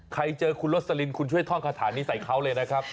เจอคุณโรสลินคุณช่วยท่องคาถานี้ใส่เขาเลยนะครับ